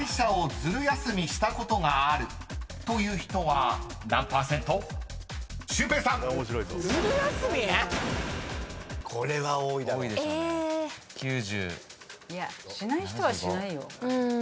ずる休み⁉しない人はしないよ。